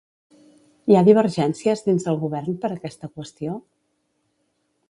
Hi ha divergències dins el govern per aquesta qüestió?